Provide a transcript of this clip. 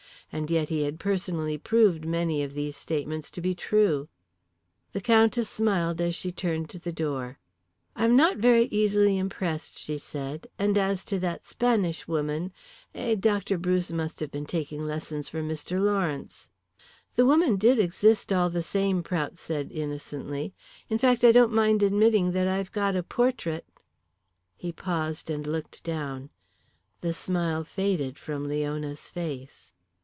And yet he had personally proved many of these statements to be true. The Countess smiled as she turned to the door. "I am not very easily impressed," she said, "and as to that Spanish woman eh, Dr. Bruce must have been taking lessons from Mr. Lawrence." "The woman did exist all the same," Prout said innocently. "In fact, I don't mind admitting that I've got a portrait " He paused and looked down. The smile faded from Leona's face.